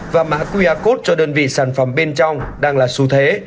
và mã qr code cho đơn vị sản phẩm bên trong đang là xu thế